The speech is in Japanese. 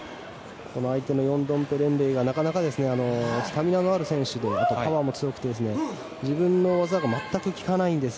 相手のヨンドンペレンレイがなかなかスタミナのある選手でパワーも強くて自分の技が全く効かないんです